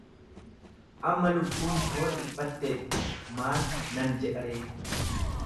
Amma lubbuun koo dhiphatteetti, maal nan jedha ree?